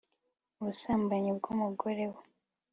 ubusambanyi bw'umugore we